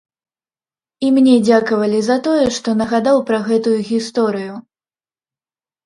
І мне дзякавалі за тое, што нагадаў пра гэтую гісторыю.